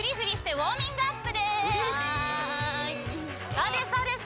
そうですそうです！